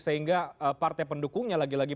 sehingga partai pendukungnya lagi lagi